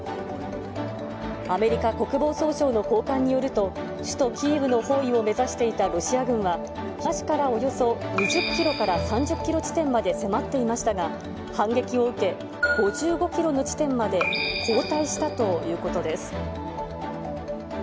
アメリカ国防総省の高官によると、首都キーウの包囲を目指していたロシア軍は、東からおよそ２０キロから３０キロ地点まで迫っていましたが、反撃を受け、５５キロの地点まで後退したということです。